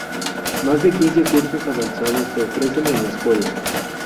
Más de quince cursos avanzados se ofrecen en la escuela.